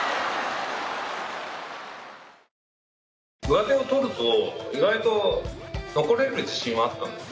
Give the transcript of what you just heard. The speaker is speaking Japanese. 上手を取ると意外と残れる自信はあったんですよね。